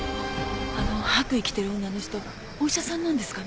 あの白衣着てる女の人お医者さんなんですかね？